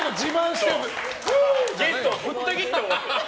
ゲストをぶった切って終わった。